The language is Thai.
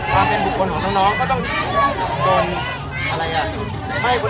การบุคคลของน้องน้องก็ต้องช่วยให้คนอื่นรู้ด้วย